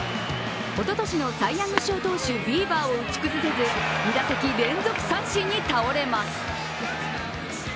おととしのサイ・ヤング賞投手ビーバーを打ち崩せず２打席連続三振に倒れます。